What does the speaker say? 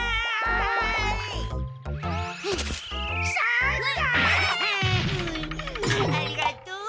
ありがとう。